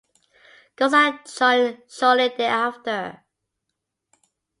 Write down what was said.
Gossard joined shortly thereafter.